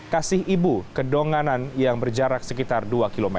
kasih ibu kedonganan yang berjarak sekitar dua km